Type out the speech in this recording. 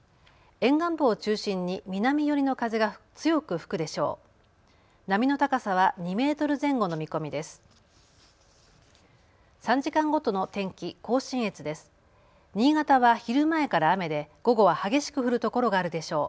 沿岸部を中心に南寄りの風が強く吹くでしょう。